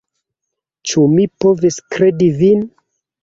Ĉu mi povis kredi vin?